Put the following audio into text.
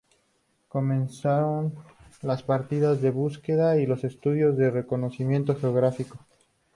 Comenzaron las partidas de búsqueda y los estudios de reconocimiento geográfico.